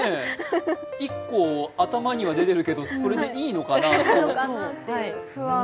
一個、頭には出てるけどそれでいいのかなぁ。